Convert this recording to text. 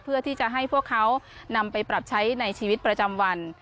เพื่อที่จะให้พวกเขานำไปปรับใช้ในชีวิตประจำวัน